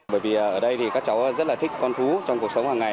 bởi vì ở đây thì các cháu rất là thích con thú trong cuộc sống hàng ngày